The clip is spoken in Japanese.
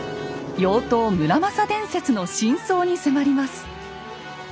「妖刀村正伝説」の真相に迫ります。